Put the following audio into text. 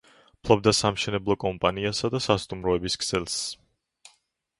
ფლობდა სამშენებლო კომპანიას და სასტუმროების ქსელს.